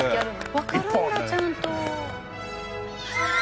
わかるんだちゃんと。